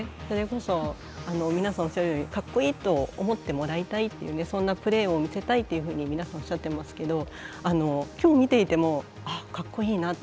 それこそ皆さんおっしゃるようにかっこいいと思ってもらいたいとそんなプレーを見せたいというふうに皆さんおっしゃっていますけどきょう見ていてかっこいいな。